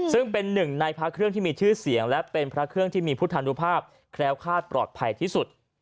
ซึ่งเป็นหนึ่งในพระเครื่องที่มีชื่อเสียงและเป็นพระเครื่องที่มีพุทธนุภาพแคล้วคาดปลอดภัยที่สุด